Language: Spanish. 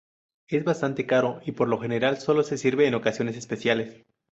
Es bastante caro y por lo general solo se sirve en ocasiones especiales.